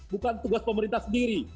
bukan tugas pemerintah sendiri